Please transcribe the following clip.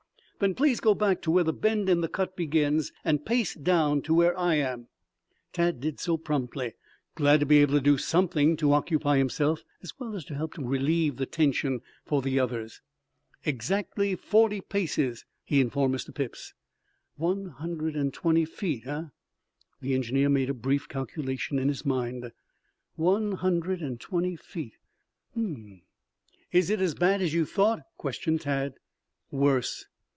"Then please go back to where the bend in the cut begins, and pace down to where I am." Tad did so promptly, glad to be able to do something to occupy himself as well as to help relieve the tension for the others. "Exactly forty paces," he informed Mr. Phipps. "One hundred and twenty feet, eh?" The engineer made a brief calculation in his mind. "One hundred and twenty feet. H m m m." "Is it as bad as you thought?" questioned Tad. "Worse."